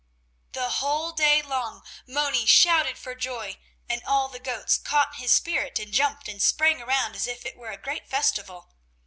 The whole day long Moni shouted for joy, and all the goats caught his spirit and jumped and sprang around as if it were a great festival.